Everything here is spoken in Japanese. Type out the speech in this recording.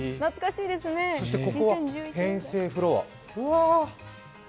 そしてここは編成フロア。